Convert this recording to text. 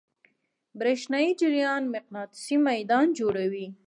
برېښنایی جریان مقناطیسي میدان جوړوي.